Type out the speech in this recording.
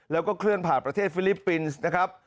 แล้วก็เคลื่อนผ่านประเทศฟิลิปปินส์นะครับ